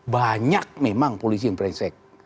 banyak memang polisi yang prengsek